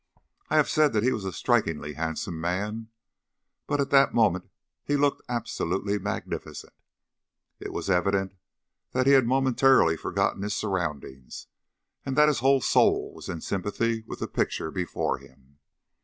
I have said that he was a strikingly handsome man, but at that moment he looked absolutely magnificent. It was evident that he had momentarily forgotten his surroundings, and that his whole soul was in sympathy with the picture before him.